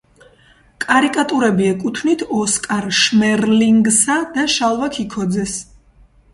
კარიკატურები ეკუთვნით ოსკარ შმერლინგსა და შალვა ქიქოძეს.